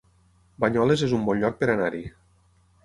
Banyoles es un bon lloc per anar-hi